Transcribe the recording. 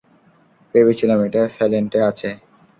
ভেবেছিলাম এটা সাইলেন্টে আছে।